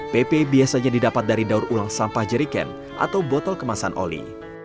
pp biasanya didapat dari daur ulang sampah jeriken atau botol kemasan oli